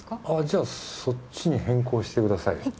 あじゃあそっちに変更してください。